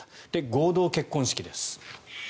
合同結婚式です。